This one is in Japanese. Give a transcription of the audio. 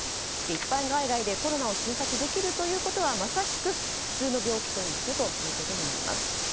一般外来でコロナを診察できるということはまさしく普通の病気と一緒ということになります。